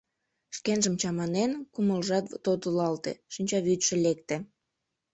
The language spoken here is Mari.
Шкенжым чаманен, кумылжат тодылалте, шинчавӱдшӧ лекте.